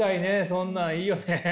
そんなんいいよね。